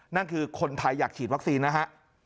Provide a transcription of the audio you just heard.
นั่นคือคนไทยอยากฉีดวัคซีนนะฮะ